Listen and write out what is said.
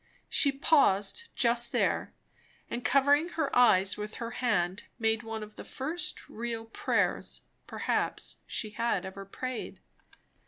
She paused just there, and covering her eyes with her hand, made one of the first real prayers, perhaps, she had ever prayed.